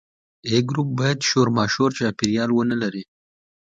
A ګروپ باید شورماشور چاپیریال ونه لري.